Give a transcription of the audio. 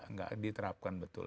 nggak diterapkan betul